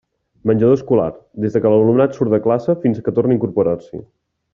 Menjador escolar: des que l'alumnat surt de classe fins que torna a incorporar-s'hi.